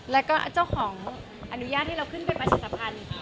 แล้วก็เจ้าของอนุญาตให้เราขึ้นไปประชาสัมพันธ์